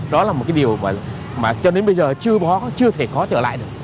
đó là một cái điều mà cho đến bây giờ chưa bó chưa thể khó trở lại được